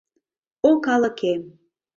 О калыкем!